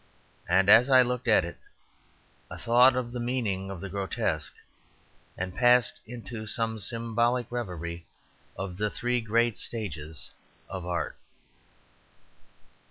And as I looked at it, I thought of the meaning of the grotesque, and passed into some symbolic reverie of the three great stages of art.